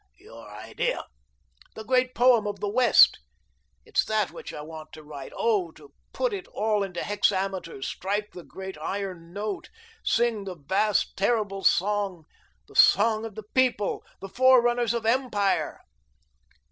"Your idea?" "The great poem of the West. It's that which I want to write. Oh, to put it all into hexameters; strike the great iron note; sing the vast, terrible song; the song of the People; the forerunners of empire!"